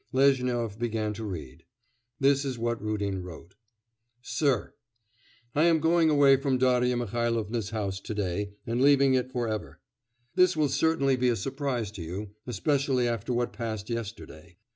Lezhnyov began to read. This is what Rudin wrote: 'SIR 'I am going away from Darya Mihailovna's house to day, and leaving it for ever. This will certainly be a surprise to you, especially after what passed yesterday.